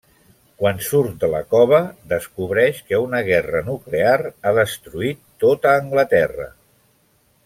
Quan surt de la cova, descobreix que una guerra nuclear ha destruït tota Anglaterra.